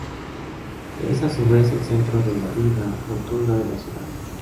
Es a su vez el centro de la vida nocturna de la ciudad.